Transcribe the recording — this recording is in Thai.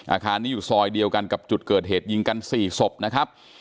อาคารนี้อยู่ซอยเดียวกันกับจุดเกิดเหตุยิงกัน๔ศพนะครับ